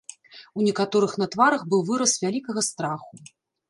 У некаторых на тварах быў выраз вялікага страху.